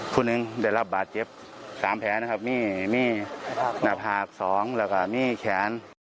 ผู้หนึ่งได้รับบาดเจ็บ๓แผลนะครับมีหน้าผาก๒แล้วก็มีแขน